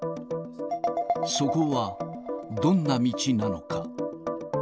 そこは、どんな道なのか。